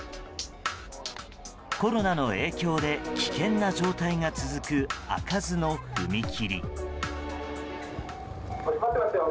コロナの影響で危険な状態が続く開かずの踏切。